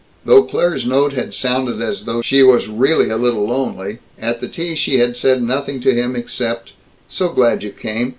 Though Claire's note had sounded as though she was really a little lonely, at the tea she had said nothing to him except, "So glad you came.